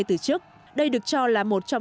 từ chức đây được cho là một trong